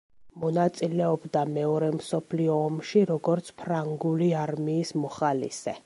მონაწილეობდა მეორე მსოფლიო ომში, როგორც ფრანგული არმიის მოხალისე.